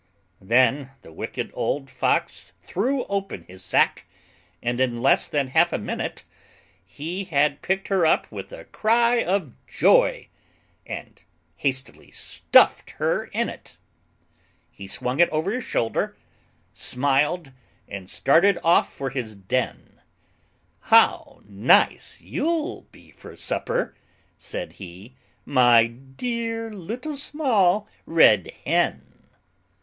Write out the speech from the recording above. Then the Wicked Old Fox threw open his sack, And in less than half a minute, He had picked her up with a cry of joy, And hastily stuffed her in it. He swung it over his shoulder, smiled, And started off for his den; "How nice you'll be for supper!" said he, "My dear Little Small Red Hen!"